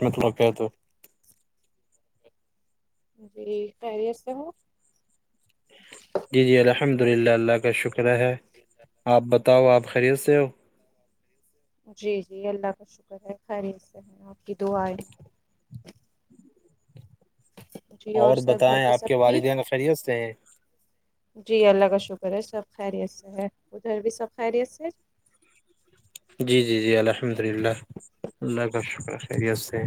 میںتبق کہ تو [inaudible] جی خریت سے ہو جی جی الحمد للہ اللہ کا شکر ہے آپ بتاؤ آپ خرید سے ہو جی جی اللہ کا شکر ہے خیرید سے ہیں آپ کی دو آڈی جی اور سر گھر بتائیں پہ آپ کے سب ٹھیک والدین کا خیریت سے ہے جی اللہ کا شکر ہے سب خیریت سے ہے ادھر بھی سب خیریت سے جی جی جی الحمد للہ اللہ کا شکر خیریت سے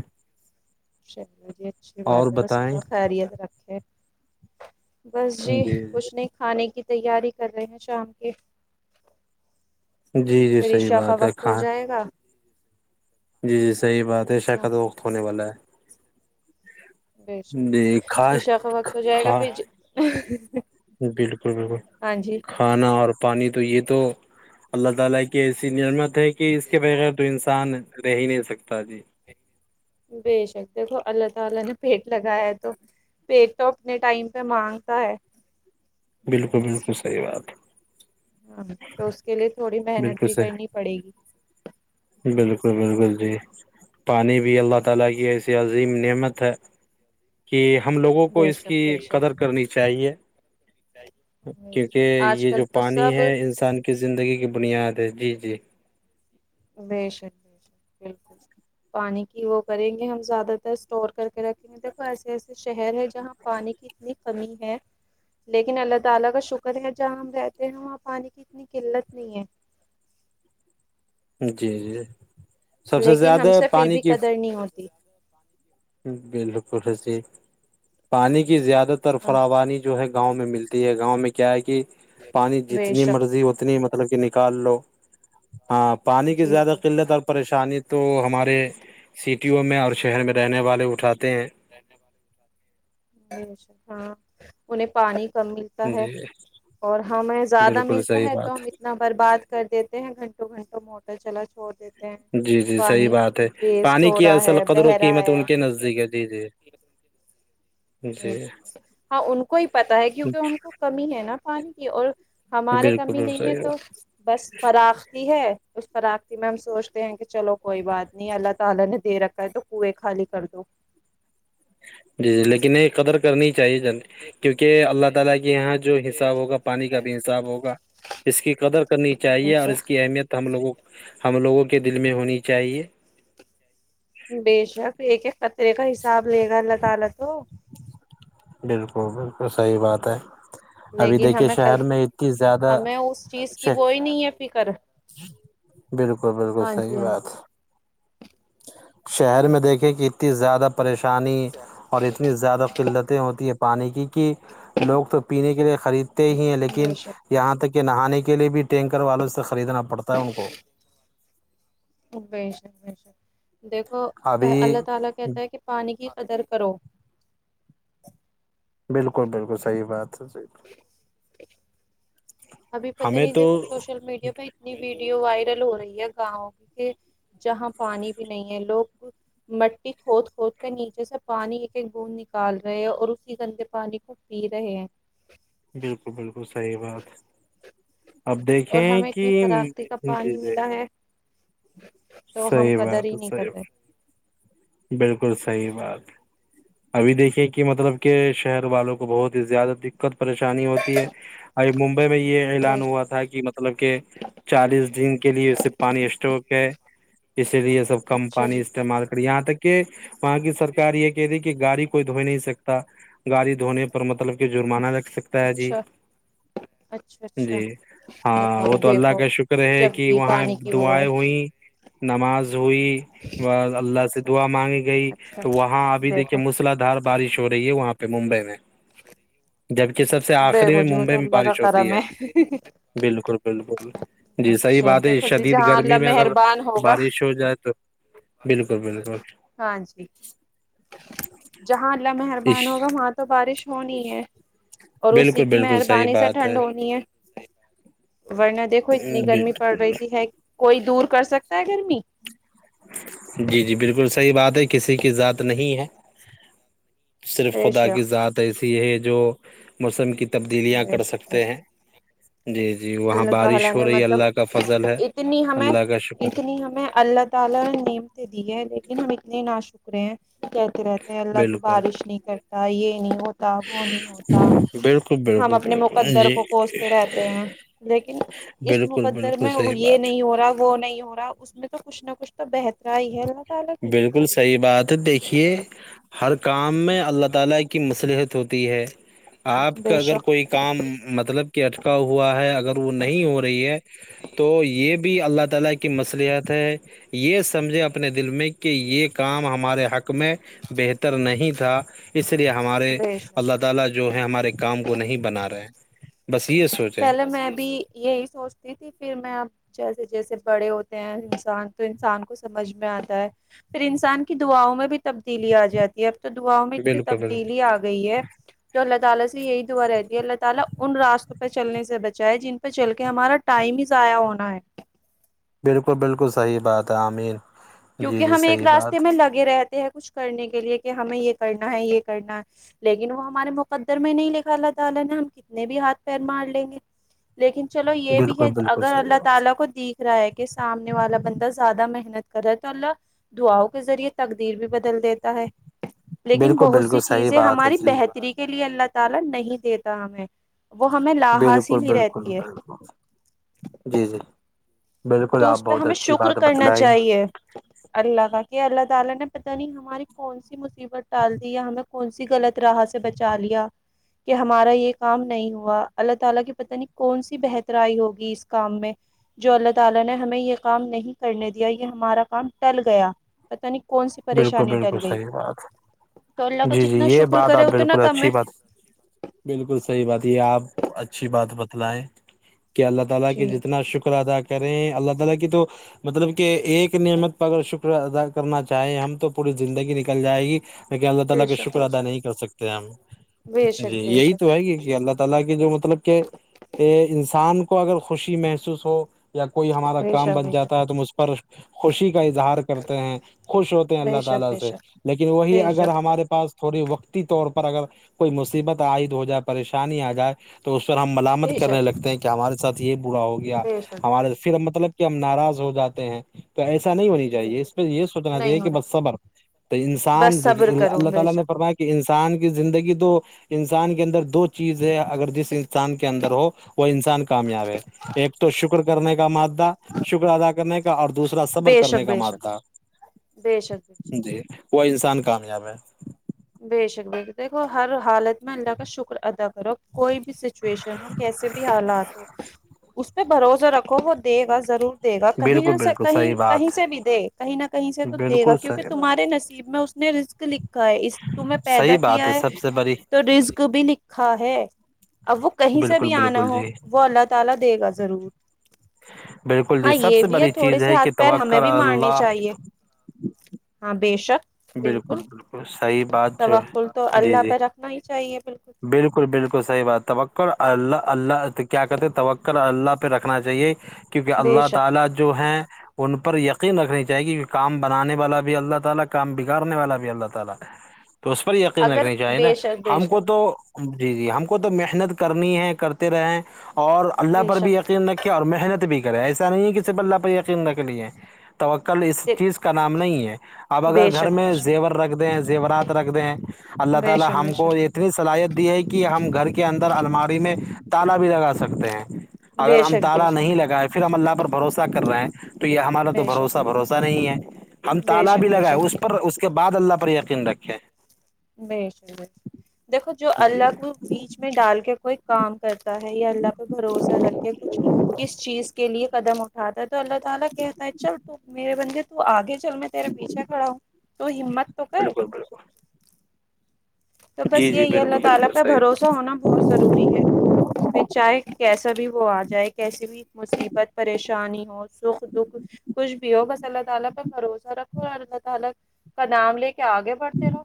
چلو جی اچھی بات اور ہے بس بتائیں اللہ خیریت رکھے بس جی کچھ نہیں کھانے کی تیاری کر رہے ہیں شام کے جی جی صحیح فریشا کا بات ہے وقت ہو کھاں جائے گا [unintelligible] جی جی صحیح بات ہے ہاں شرکت جی وقت ہونے والا ہے بش جی کھائے عشا کا وقت ہو جائے گا ہاں پھر [inaudible] بالکل بالکل ہاں جی کھانا اور پانی تو یہ تو اللہ تعالی کی ایسی نعمت ہے کہ اس کے بغیر تو انسان رہ ہی نہیں سکتا جی بے شک دیکھو اللہ تعالی نے پیٹ لگایا ہے تو پیٹ تو اپنے ٹائم پہ مانگتا ہے بالکل بالکل صحی بات ہے ہاں تو اس کے لیے تھوڑی محنت بالکل بھی صحیح کرنی پڑے گی بالکل بالکل جی پانی بھی اللہ تعالی کی ایسی عظیم نعمت ہے کہ ہم لوگوں کو بے اس کی شک بے شک قدر کرنی چاہیے کیونکہ آج یہ کل جو تو پانی سب ہے انسان کی زندگی کی بنیاد ہے جی جی بےشر بےشر بالکل پانی کی وہ کریں گے ہم زیادہ تر اسٹور کر کے رکھیںے دیکھو ایسے ایسے شہر ہے جہاں پانی کی اتنی کمی ہے لیکن اللہ تعالی کا شکر ہے جہاں ہم رہتے ہیں وہاں پانی کی اتنی قلت نہیں ہے جی جی سب سے لیکن ہم زیادہ سے پھر پانی بھی کی قدر نہیں ہوتی بالکل حسی پانی کی زیادہ زیادہ تر ہاں فراوانی جو ہے گاؤں میں ملتی ہے گاؤں میں کیا ہے کہ پانی بے جتنی شک مرضی اتنی مطلب کہ نکال لو ہاں پانی کی جی زیادہ جی قلت اور پریشانی تو ہمارے سٹیوں میں اور شہر میں رہنے والے اٹھاتے ہیں ہاں انہیں پانی کمی جی اور ہمیں زیادہ بالکل ملتا صحیح ہے بات تو ہم اتنا برباد کر دیتے ہیں گھنٹوں گھنٹوں موٹر چلا چھوڑ دیتے ہیں جی جی صحیح پانی بات ہے ویسٹ پانی ہو کی رہا اصل ہے قدر بہ و رہا قیمت ہے ان کے نزدیک ہے جی جی جی ہاں ان کو ہی پت ہے کیونکہ ان کو کمی ہے نا پانی کی اور ہمارے بالکل کمی بالکل نہیں ہے صحیح تو بات بس فراختی ہے اس فرختی میں ہم سوچتے ہیں کہ چلو کوئی بات نہیں اللہ تعالی نے دے رکھا تو کئے خالی کر دو جی جی لیکن یہ قدر کرنی چاہیے ج کیونکہ اللہ تعالی کے یہاں جو حساب ہوگا پانی کا بھی حساب ہوگا اس کی قدر کرنی بے چاہیے اور اس شک کی اہمیت ہم لوگوں ہم لوگوں کے دل میں ہونی چاہیے بے شک ایک ایک قطرے کا حساب لے گا اللہ تعالی تو بالکل بالکل صحی بات ہے ابھی لیکن دیکھیے ہمیں شہر میں اتنی زیادہ ہمیں اس چیز کی وہی نہیں ہے فکر بالکل بالکل ہاں سحی جی ہاں بات جی شہر میں دیکھیں کہ اتنی زیادہ پریشانی اور اتنی زیادہ قلتیں ہوتی ہیں پانی کی کہ لوگ تو پینے کے لیے خریدتے ہی ہیں لیکن بے شک یہاں تک کہ نہانے کے لیے بھی ٹینکر والوں سے خریدنا پڑتا ہے ان کو بیش بیشر دیکھو ابھی اللہ تعالی کہتا ہے کہ پانی کی قدر کرو بالکل بالکل صحی بات ہے جی ابھی پتا ہمیں نہیں تو دیکھو سوشل میڈیا پہ اتنی ویڈیو وائرل ہو رہی ہے گاؤں کی کہ جہاں پانی بھی نہیں ہے لوگ مٹی کھود کھود کے نیچے سے پانی ایک ایک بوند نکال رہے ہے اور اسی گندے پانی کو پی رہے ہیں بالکل بالکل صحی بات اب اور دیکھیں ہمیں کہ اتنی فراختی کا پانی چیزیں ملا ہے تو صی ہم قدر بات ہی ہے نہیں صحی کر رہے بات بالکل صحی بات ابھی دیکھیے کہ مطلب کہ شہر والوں کو بہت ہی زیادہ دقت پریشانی ہوتی ہے ا ممبئی میں یہ اعلان بیش ہوا تھا کہ مطلب کہ چالیس دن کے لیے اس سے پانی اسٹک ہے اسی لیے سب اچھا کمپنیانی جی استعمال یہاں تک کہ وہاں کی سرک یہ کہہ رہی کہ گاڑی کوئی دھوئی نہیں سکتا گاڑی دھونے پر مطلب کہ جرمانہ لگ سکتا ہے جی اچھا اچھا اچھا جی ہاں بتاؤ وہ تو اللہ دیکھو کا شکر ہے جب کہ بھی وہاں پانی کی وہ ہے دعائیں ہوئیں نماز ہوئی اللہ سے دعا مانگی گئی اچھا تو وہاں ابھی دیکھو دیکھیے م مسلا دار بارش ہو رہی ہے وہاں پہ ممبئی میں بارش رہ جبک سب سے آخری میں ممبئی میں بارش ہوتی ہے بالکل بالکل جی صحیح اچھا بات ہے دیکھو جی شدید جہاں گرمی اللہ میں اگر مہربان ہوگا بارش ہو جائے تو بالکل بالکل ہاں جی جہاں اللہ اس مہربان ہوگا وہاں تو بارش ہونی ہے اور اسی بالکل کی بالکل صحیح مہربانی سے بات ٹھنڈ ہونی ہے ورنہ دیکھو اتنی گرمی پڑ بالکل رہی ت ہے کوئی دور کر سکتا ہے گرمی جی جی بالکل صحیح بات ہے کسی کی ذات نہیں ہے صرف بے شک خدا کی ذات ایسی ہے جو موسم کی تبدیلیاں بے کر سکتے ہیں جی جی وہاں اللہ تعالی بارش ہو نے رہی ہے مطلب اللہ کا فضل ہے اتنی ہمیں اللہ کا شکر اتنی ہمیں اللہ تالا نیم تو دی ہے لیکن ہم اتنے نہ شک کے کہتے رہتے ہے اللہ تو بالکل بارش نہیں کرتا یہ نہیں ہوتا وہ نہیں ہوتا بالکل ہم بالکل اپنے بالکل مقدر جی کو کوستے رہتے ہیں لیکن اس بالکل مقدر بالکل میں وہ صحیح یہ بات نہیں ہو رہا وہ نہیں ہو رہا اس میں تو کچھ نہ کچھ تو بہترا ہی ہے تعالی کی بالکل صحیح بات ہے دیکھیے ہر کام میں اللہ تعالی کی مصلحت ہوتی ہے آپ کا بے اگر شک کوئی کام مطلب کہ اٹکا ہوا ہے اگر وہ نہیں ہو رہی ہے تو یہ بھی اللہ تعالی کی مصلحت ہے یہ مجھے اپنے دل میں کہ یہ کام ہمارے حق میں بہتر نہیں تھا اس لیے ہمارے بے اللہ شک تعالی جو ہے ہمارے کام کو نہیں بنا رہے ہیں بس یہ سوچ پہلے میں بھی یہی سوچتی تھی پھر میں جیسے جیسے بڑے ہوتے ہیں انسان تو انسان کو سمجھ میں آتا ہے پھر انسان کی دعاؤ میں بھی تبدیلی آ جاتی اب تو دعاؤں میں اتنی بالکل بالکل تبدیلی آ گئی ہے تو اللہ تعالی سے یہی دعا رہتی ہے اللہ تعی ان راست پہ چلنے سے بچا ہے جن پہ چل کے ہمارا ٹائم ہی ضائع ہونا ہے بالکل بالکل صحیح بات ہے آمین جی کیونکہ جی ہم ایک صحیح راستے بات میں لگے رہتے ہیں کچھ کرنے کے لیے کہ ہمیں یہ کرنا ہے یہ کرنا ہے لیکن وہ ہمارے مقدر میں نہیں لھا اللہ تعالی نے ہم کتنے بھی ہاتھ پیر مار لیں گے لیکن چلو یہ بھی ہے بالکل بالکل اگر صحیح بات اللہ تعالی کو دیکھ رہا ہے کہ سامنے والا بندہ زیادہ محنت قدرت اللہ دعاؤ کے ذریعے تقدیر بھی بدل دیتا ہے لیکن بالکل بہت سی بالکل صحیح چیزیں بات ہے ہماری جی جی بہتری کے لیے اللہ تعالی نہیں دیتا ہمیں وہ ہمیں لاحاسی ہی بالکل بھی بالکل رہتی ہے بالکل جی جی بالکل تو آپ اس پہ بہت ہمیں اچھی شکر بات کرنا بتلائی چاہیے اللہ کا کہ اللہ تعالی نے پتہ نہیں ہماراری کون سی ی مصیبت ڈال دی یا ہمیں کون سی غط راہ سے بچا لیا کہ ہمارا یہ کام نہیں ہوا اللہ تعالی کی پتہ نہیں کون سی بہترائی ہوگی اس کام میں جو اللہ تعالینے ہمیں یہ کام نہیں کرنے دیا یہ ہمارا کام ٹل گیا پت نہیں کون سی بالکل پریشانی ٹل بالکل گئی صحیح بات تو اللہ کا جی جی جتنا یہ شکر بات کرے آپ اتنا بالکل کم ہے اچھی بات بالکل صحیح بات یہ آپ اچھی بات بتلائیں کیا اللہ الال کہ جی جتنا شکر ادا کریں اللہ تعالی کی تو مطلب کہ ایک نعمت پر اگر شکر ادا کرنا چاہے ہم تو پوری زندگی نکل جائے گی لیکن اللہ تعالی بے کا شک شکر ادا نہیں کر سکتے ہم بے شک جی بے یہی شک تو ہے گی کہ اللہ الالا کے جو مطلب کہ انسان کو اگر خوشی محسوس ہو یا کوئی ہمارا بے کام شک بے شک بن بے شک جاتا ہے تو اس پر خوشی کا اظہار کرتے ہیں خوش ہوتے ہیں بے اللہ تعالی شک بے سے شک لیکن وہی بے اگر شک ہمارے پاس تھوڑی وقتی طور پر اگر کوئی مصیبت عائد ہو جائے پریشانی آ جائے تو اس پر ہم ملامت بے کرنے شک لگتے ہیں کہ ہمارے ساتھ یہ بورا ہو گیا بے شک بے ہمارے شک پھر ہم مطلب کہ ہم ناراض ہو جاتے ہیں تو ایسا نہیں ہونی بے چاہیے اس شک میں یہ چنا نہیں چ کہ ہونا بس صبر چاہیے تو انسان بس صبر کرو اللہ بے تعالی نے شک پ [unintelligible] کہ انسان کی زندگی تو انسان کے اندر دو چیز ہے اگر ج انسان کے اندر ہو وہ انسان کامیاب ہے ایک تو شکر کرنے کا مادہ شکر ادا کرنے کا اور دوسرا صبر بے کرنے شک کا بے شک مادہ بے شک [unintelligible] جی وہ انسان کامیاب ہے بے شک ب دیکھو ہر حالت میں اللہ کا شکر ادا و کوئی بھی سچویشن ہو کیسے بھی حالات ہو اس پہ بھروسہ رکھو وہ دے گا ضرور دے گا کہیں بالکل نہ بالکل کہیں صحیح کہیں بات سے بھی دے کہیں نہ کہیں سے ہے تو دے گا بالکل کیونکہ صحیح بات تمہارے نصیب میں اس نے رسک لکھا ہے اس تو میں پیدا صحیح بات کیا سب ہے سے بڑی تو رزک بھی لکھا ہے اب وہ کہیں سے بالکل بھی آنا بالکل ہو جی وہ اللہ تعالی دے گا ضرور بالکل ہاں جی سب یہ سے بھی ہے بڑی تھوڑے چیز سے کہ ہاتھ پیر توقع ہمیں بھی مارنی اللہ چاہیے ہاں بے شک بالکل بالکل صحیح بات جو توقل تو ہے جی اللہ جی پہ رکھنا ہی چاہیے بالکل بالکل بالکل صحیح بات توکر اللہ اللہ کیا کہتے تکر اللہ پہ رکھنا چاہیے کیونکہ بے اللہ شک تعالی جو ہیں ان پر یقین رکھنی چاہی گی کام بنانے والا بھی اللہ تعالی کام بگاڑنے والا بھی اللہ تعالی تو اس پر یقین اگر رکھنی چاہیے نا بے شک بے ہم کو شک تو جی جی ہم کو تو محنت کرنی ہے کرتے رہے اور اللہ بے پر بھی شک یقین رکھ اور محنت بھی کرے ایسا نہیں ہے کہ ص بلہ پہ یقین نہ کے لیے توکل اس چیز کا نام نہیں ہے بے اگر گھر شک بے میں شک زیور رکھ دیں ہیں زیورات رکھ دیں ہیں اللہ بے تعالی ہم کو شک یہ اتنی صلاحیت دی ہے کہ ہم گھر کے اندر الماری میں تال بھی لگا سکتے سکتے ہیں اگر بے ہم شک بے تالا شک نہیں لگائے پھر ہم اللہ پر بھروسہ کر رہے ہیں تو یہ ہمارا تو بے شک بھروسہ بھروسہ نہیں ہے ہم بے تال بھی شک بے لگائے شک بے اس شک پر اس کے بعد اللہ پر یقین رکھیں ب ب دیکھو جو اللہ کو بیچ میں ڈال کے کوئی کام کرتا ہے یا اللہ پہ بھروسہ رکھ کے کچھ کس چیز کے لیے قدم اٹھاتا ہے تو اللہ تعالی کہتا ہے چل تو میرے بندے تو آگے چل میں تیرے پیچھا کھڑا ہوں تو ہمت تو کر بالک ب [unintelligible] تو بس جی جی یہی ہے بالکل اللہ تعالی بالکل پہ صحیح بھروسہ ہونا بہت ضروری ہے پھر چاہے کیسا بھی وہ آ جائے کیسے بھی مصیبت پریشانی ہو سکھ دکھ کچھ بھی ہو بس اللہ تعالی پ بھروسہ رکھو اور اللہ تعالی کا نام لے کے آگے بڑھتے رہو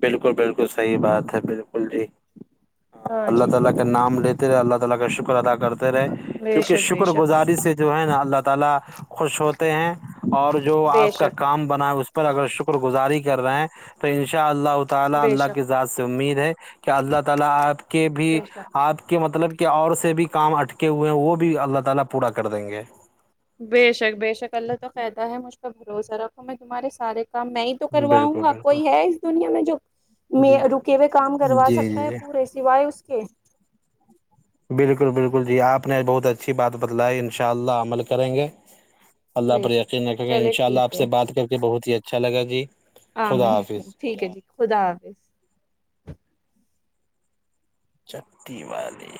بالکل بالکل صحیح بات ہے بالکل جی ہ ہاں اللہ جی تعالی نام لیتے رہے اللہ تعالی کا شکر ادا کرتے رہے بے کیونکہ شک بے شکر شک گزاری سے جو ہے نا اللہ تعالی خوش ہوتے ہیں اور جو بے آپ کا کام بنا ہے اس اگر شکر شک گزاری کر رہے ہیں تو ان شاء اللہ تعالی بے اللہ شک کی ذات سے امید ہے کہ اللہ تعالی آپ کے بھی بے شک آپ کے مطلب کہ اور سے بھی کام اٹکے ہوئے ہیں وہ بھی اللہ تعالی پورا کر دیں گے بے شک بے شک اللہ تو قدہ ہے مجھ پہ بھروسہ رکھو میں تمہارے سارے کام میں تو کرواؤں بالکل گا بالکل کوئی ہے اس دنیا میں جو جی رکے ہوئے کام جی کروا سکتا جی ہے جی پورے سوائے اس کے بالکل بالکل جی آپ نے بہت اچھی بات بتلائی ان شاء اللہ عمل کریں گے اللہ بے پر شک یقین رکھے گا ان چلے شاء اللہ ٹھیک آپ ہے سے بات کر کے بہت ہی اچھا لگا جی ہاں میں ٹھیک ہے جی خدا حافظ جکتی والی